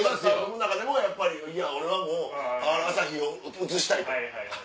の中でもやっぱり「いや俺はもう朝日を映したい」と。